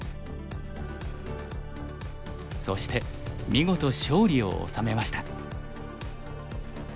そして見事勝利を収めました。